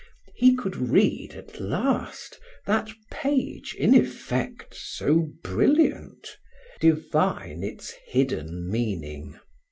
He could read, at last, that page in effect so brilliant, divine its hidden meaning.